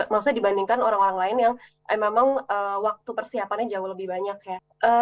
maksudnya dibandingkan orang orang lain yang memang waktu persiapannya jauh lebih banyak ya